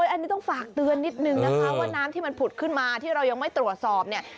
อันนี้ต้องฝากเตือนนิดนึงนะคะว่าน้ำที่มันผุดขึ้นมาที่เรายังไม่ตรวจสอบเนี่ย